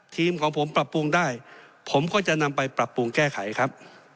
ของผมปรับปรุงได้ผมก็จะนำไปปรับปรุงแก้ไขครับ